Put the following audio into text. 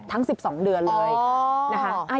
ทั้ง๑๒เดือนเลย